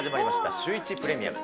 シューイチプレミアム。